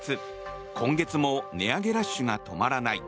今月も値上げラッシュが止まらない。